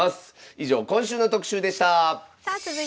以上今週の特集でした！